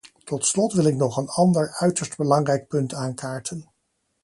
Tot slot wil ik nog een ander uiterst belangrijk punt aankaarten.